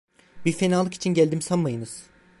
Bir fenalık için geldim sanmayınız…